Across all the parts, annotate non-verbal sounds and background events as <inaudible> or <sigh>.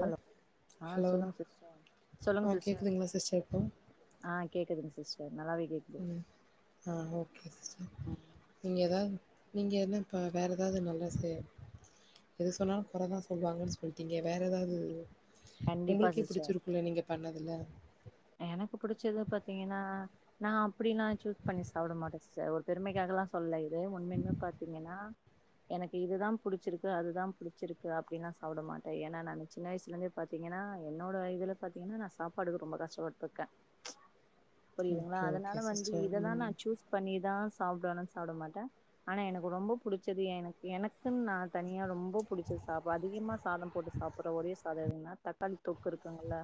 hello ஆ hello சொல்லுங்க sister சொல்லுங்க ஆ சிஸ்டர் கேட்குதுங்களா சிஸ்டர் இப்போ ஆ கேக்குதுங்க சிஸ்டர் நல்லாவே கேக் ம் ஆ ஓகே சிஸ்டர் ம் நீங்க எதாவது நீங்க என்ன இப்ப வேற ஏதாவது நல்லா செ எது சொன்னாலு கொறதா சொல் வாங்கன்னு சொல் நீங்க வேற ஏதாவது கண்டிப்பா உங்களுக்கே சிஸ்டர் பிடிச்சிருக்குல்ல நீங்க பண்ணதில எனக்கு புடிச்சது பாத்தீங்கன்னா நா அப்டில்ல சூஸ் பண்ணி சாப்பிட மாட்டே சிஸ்டர் ஒரு பெருமைக்காகல்லா சொல்ல இதே உண்மையுனு பாத்தீங்கன்னா எனக்கு இதுதா புடிச்சிருக்கு அதுதா புடிச்சிருக்கு அப்டின்னா சாப்பிட மாட்டே ஏன்னா நானு சின்ன வயசுலேருந்தே பாத்தீங்கன்னா என்னோட இதுல பாத்தீங்கன்னா நா சாப்பாடுக்கு ரொம்ப கஷ்டப்பட்டுருக்கே புரியுதுங்களா ஓகே ஓகே அதனால வந்து சிஸ்டர் இததா நா ம் சூஸ் பண்ணிதா சாப்பிடுவனு சாப்பிட மாட்டே ஆனா எனக்கு ரொம்ப புடிச்சது எனக்கு எனக்குன்னு நா தனியா ரொம்ப புடிச்சது சாப் அதிகமா சாதம் போட்டு சாப் பற ஒரே சாதோ எதுன்னா தக்காளி தொக்கு இருக்குங்களல்ல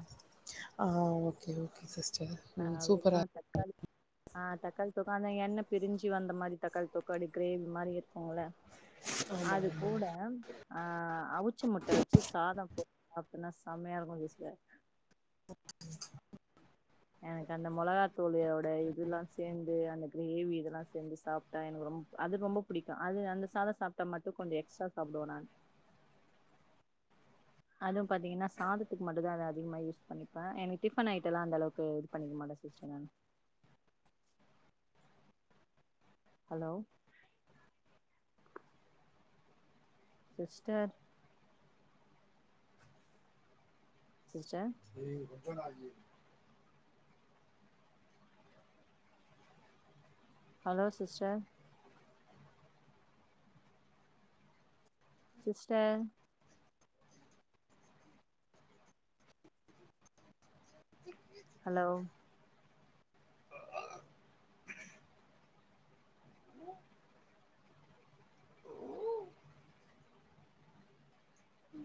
ஆ ஓகே ஓகே சிஸ்டர் ஆ ம் சூப்பரா அதுதா தக்காளி ஆ தக்காளி தொக்கு அந்த எண்ண பிரிஞ்சு வந்த மாரி தக்காளி தொக்கு அப்டியே கிரேவி மாரி இருக்குல ஆமா அது ஆமா கூட ஆ அவிச்ச முட்டை வச்சு சாதம் போ சாப்டனா செமையா இருக்கு சிஸ்டர் எனக்கு அந்த மொளகா தூளோட இதெல்லா சேந்து அந்த கிரேவி இதெல்லா சேந்து சாப் ட்டா எனக்கு ரொ அது ரொம்ப புடிக்கு அது அந்த சாதோ சாப்பிட்டா மட்டு கொஞ்ச எக்ஸ்ட்ரா சாப்பிடுவே நானு அதுவு பாத்தீங்கன்னா சாதத்துக்கு மட்டுதா அத அதிகமா யூஸ் பண்ணிப்பே எனக்கு டிஃபன் ஐட்டலா அந்தளவுக்கு பண்ணிக்க மாட்டே சிஸ்டர் நானு ஹலோ சிஸ்டர் சிஸ்டர் டேய் <unintelligible> ஹலோ சிஸ்டர் சிஸ்டர் ஹலோ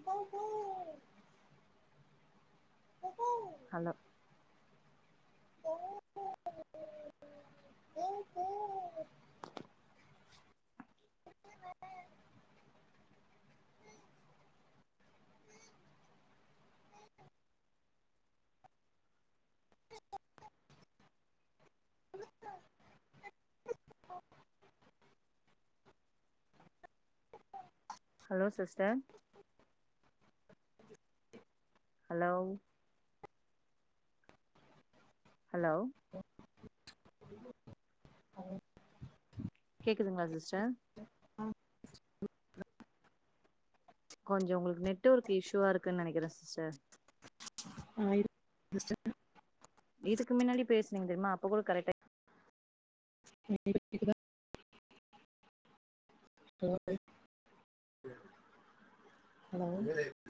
போ போ hello hello sister hello hello <unintelligible> கேக்குதுங்களா சிஸ்டர் கொஞ்ச உங்களுக்கு நெட்ஒர்க் இஷுவா இருக்குன்னு நெனைக்றே சிஸ்டர் ஆ இருக் சிஸ்டர் இதுக்கு மின்னாடி பேசுனீங்க தெரிமா அப்ப கூட கரெக்டா இப்ப கேக்குதா ஹலோ ஹலோ